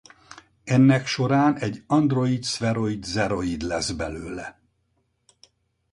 Ennek során egy android-szferoid-Zeroid lesz belőle.